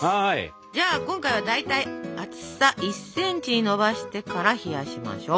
じゃあ今回はだいたい厚さ１ｃｍにのばしてから冷やしましょう。